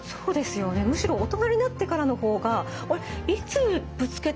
むしろ大人になってからの方があれいつぶつけたんだっけ？